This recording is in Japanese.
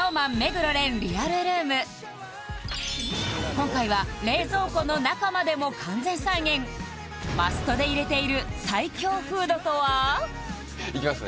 今回は冷蔵庫の中までも完全再現マストで入れている最強フードとは？